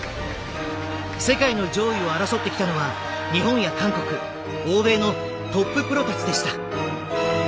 世界の上位を争ってきたのは日本や韓国欧米のトッププロたちでした。